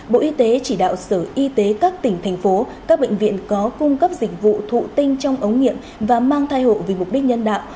bộ y tế chỉ đạo sở y tế các tỉnh thành phố các bệnh viện có cung cấp dịch vụ thụ tinh trong ống nghiệm và mang thai hộ vì mục đích nhân đạo